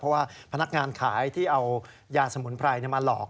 เพราะว่าพนักงานขายที่เอายาสมุนไพรมาหลอก